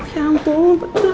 ya ampun betul